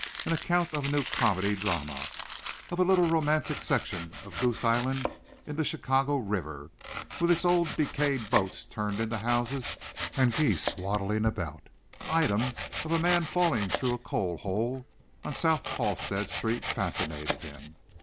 An account of a new comedy drama; of a little romantic section of Goose Island in the Chicago river, with its old decayed boats turned into houses and geese waddling about; an item of a man falling through a coal hole on South Halstead street fascinated him.